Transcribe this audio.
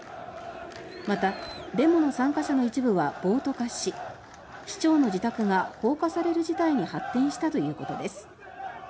またデモの参加者の一部は暴徒化し市長の自宅が放火される事態に発展したということです。